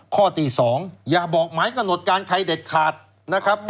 ข้อที่๒อย่าบอกหมายกำหนดการใครเด็ดขาดนะครับ